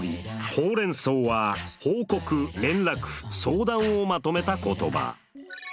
「ホウ・レン・ソウ」は報告・連絡・相談をまとめた言葉。